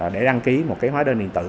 để đăng ký một cái hóa đơn điện tử